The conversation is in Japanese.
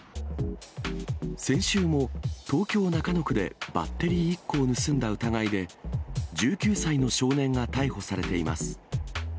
先週も、東京・中野区でバッテリー１個を盗んだ疑いで、１９歳の少年が逮捕されています。